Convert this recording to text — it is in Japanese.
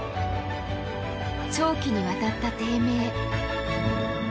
長期にわたった低迷。